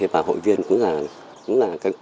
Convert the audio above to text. và hội viên cũng là